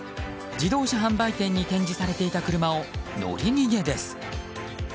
自動車販売店に展示されていた車を乗り逃げです。